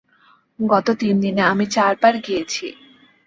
গত তিন দিনে আমি চার বার গিয়েছি।